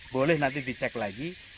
boleh nanti dicek lagi